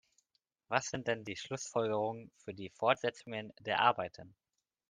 Was sind denn die Schlussfolgerungen für die Fortsetzungen der Arbeiten?